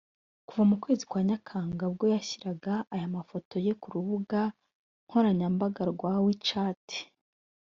Kuva mu kwezi kwa Nyakanga bwo yashyiraga aya mafoto ye ku rubuga nkoranyambaga rwa WeChat